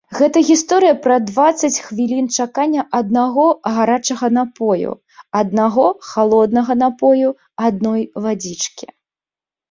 Гэта гісторыя пра дваццаць хвілін чакання аднаго гарачага напою, аднаго халоднага напою, адной вадзічкі.